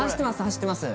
走ってます